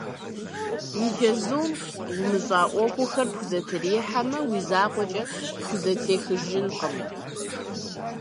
И чэзум умыщӏа ӏуэхухэр пхузэтрихьэмэ, уи закъуэкӏэ пхузэтехыжынкъым.